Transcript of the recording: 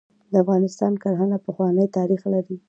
د افغانستان کرهڼه پخوانی تاریخ لري .